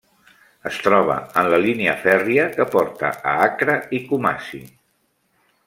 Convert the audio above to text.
Es troba en la línia fèrria que porta a Accra i Kumasi.